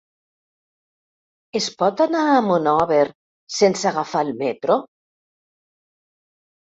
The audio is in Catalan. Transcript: Es pot anar a Monòver sense agafar el metro?